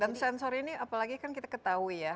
dan sensor ini apalagi kan kita ketahui ya